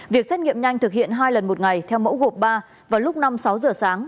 việc xét nghiệm nhanh thực hiện hai lần một ngày theo mẫu gộp ba vào lúc năm sáu giờ sáng